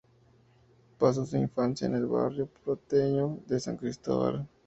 Pasó su infancia en el barrio porteño de San Cristóbal.